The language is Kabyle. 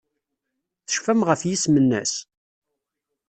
Tecfam ɣef yisem-nnes?